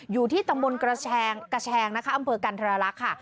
อยู่ที่ตำบลกระแชงนะคะอำเภอกันธรรลักษณ์ค่ะ